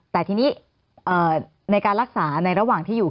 แต่ทีนี้ในการรักษาในระหว่างที่อยู่